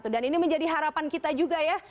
dan ini menjadi harapan kita juga ya